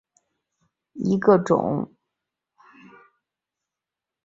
巴天酸模为蓼科酸模属下的一个种。